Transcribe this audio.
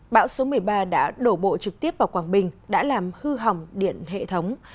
bão số một mươi ba đã đổ bộ trực tiếp vào quảng bình đã làm hư hỏng điện hệ thống